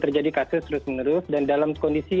terjadi kasus terus menerus dan dalam kondisi